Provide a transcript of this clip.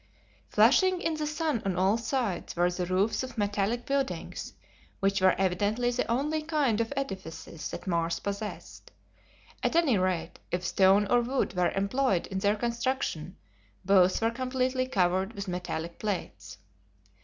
Flashing in the sun on all sides were the roofs of metallic buildings, which were evidently the only kind of edifices that Mars possessed. At any rate, if stone or wood were employed in their construction both were completely covered with metallic plates.